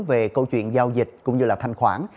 về câu chuyện giao dịch cũng như thanh khoản